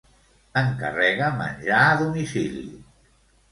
Encarrega menjar a domicili.